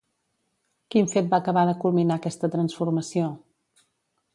Quin fet va acabar de culminar aquesta transformació?